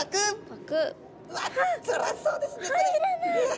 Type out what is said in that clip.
パクッ。